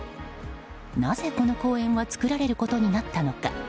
なぜ、この公園は作られることになったのか。